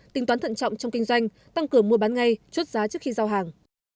tính toán thận trọng trong kinh doanh tăng cửa mua bán ngay chốt giá trước khi giao hàng